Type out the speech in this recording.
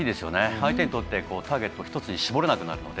相手にとってターゲットが１つに絞れなくなるので。